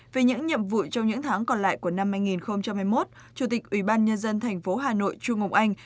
về những nhiệm vụ trong những tháng còn lại của năm hai nghìn một mươi một chủ tịch ubnd tp hà nội trung ngọc anh